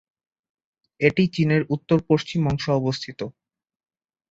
এটি চীনের উত্তর-পশ্চিম অংশে অবস্থিত।